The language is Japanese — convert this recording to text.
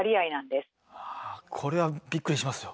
これはびっくりしますよ。